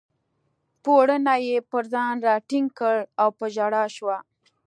پوړنی یې پر ځان راټینګ کړ او په ژړا شوه.